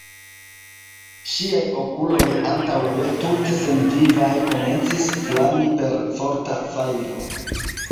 Ŝiaj okuloj, antaŭe tute senvivaj, komencis flami per forta fajro.